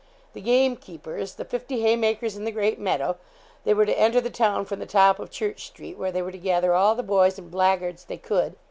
The gamekeepers, the fifty hay makers in the great meadow, they were to enter the town from the top of Church Street, where they were to gather all the boys and blackguards they could.